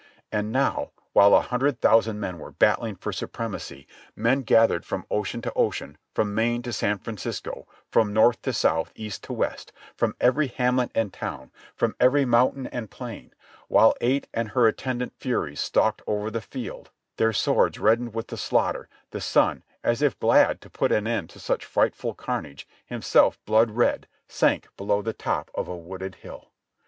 And now while a hundred thousand men were battling for supremacy, men gathered from ocean to ocean; from Maine to San Francisco; from North to South, East to West; from every hamlet and town, from every mountain and plain ; while Ate and her attendant Furies stalked over the field, their swords reddened with the slaughter, the sun, as if glad to put an end to such fright ful carnage, himself blood red, sank below the top of a wooded hill.